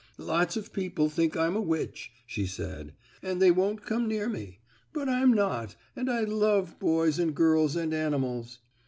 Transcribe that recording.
"Lots of people think I'm a witch," she said, "and they won't come near me. But I'm not, and I love boys and girls and animals."